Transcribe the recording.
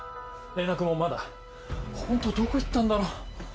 連絡もまだホントどこ行ったんだろう。